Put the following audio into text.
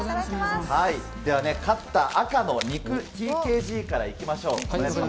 ではね、勝った赤の肉ＴＫＧからいきましょう。